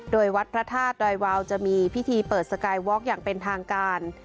โดยวัดพระธาตุดอยวาวจะมีพิธีเปิดสกายวอล์อย่างเป็นทางการ